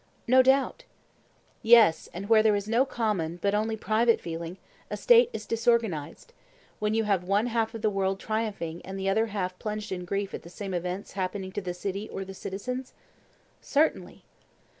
No doubt. Yes; and where there is no common but only private feeling a State is disorganized—when you have one half of the world triumphing and the other plunged in grief at the same events happening to the city or the citizens? Certainly.